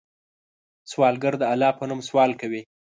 سوالګر د الله په نوم سوال کوي